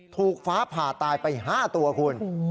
ถูกฟ้าผ่าตายไป๕ตัวคุณ